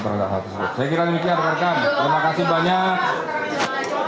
saya kira demikian terima kasih banyak